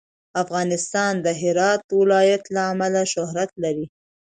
افغانستان د هرات د ولایت له امله شهرت لري.